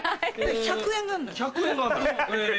１００円があるんだ。